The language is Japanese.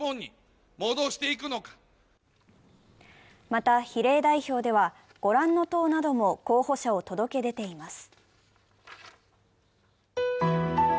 また、比例代表では御覧の党なども候補者を届け出ています。